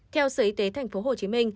theo sở y tế tp hcm